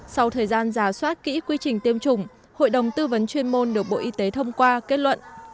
sau thời gian giả soát kỹ quy trình tiêm chủng hội đồng tư vấn chuyên môn được bộ y tế thông qua kết luận